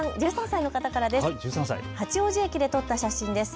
１３歳の方からです。